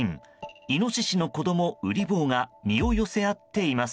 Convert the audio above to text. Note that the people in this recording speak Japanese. イノシシの子供、うり坊が身を寄せ合っています。